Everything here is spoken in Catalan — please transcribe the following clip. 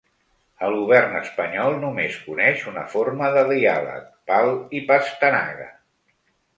El govern espanyol només coneix una forma de diàleg, pal i "pastanaga".